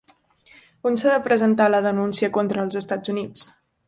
On s'ha de presentar la denúncia contra els Estats Units?